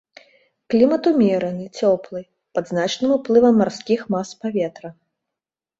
Клімат умераны, цёплы, пад значным уплывам марскіх мас паветра.